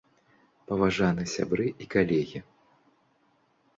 Паважаны сябры і калегі!